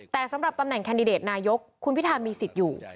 แต่สำหรับตำแหน่งแคนดิเดตนายกคุณพิธามีสิทธิ์อยู่